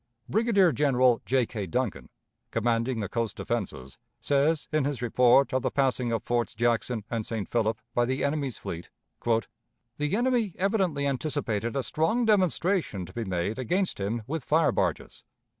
Brigadier General J. K. Duncan, commanding the coast defenses, says, in his report of the passing of Forts Jackson and St. Philip by the enemy's fleet: "The enemy evidently anticipated a strong demonstration to be made against him with fire barges.